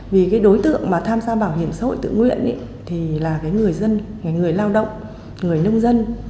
vì đối tượng tham gia bảo hiểm xã hội tự nguyện là người dân người lao động người nông dân